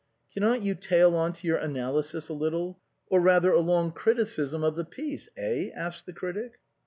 " Cannot you tail on to your analysis a little, or rather a long criticism of the piece, eh?" asked the critic.